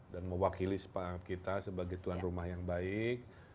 dan mewakili kita sebagai tuan rumah yang baik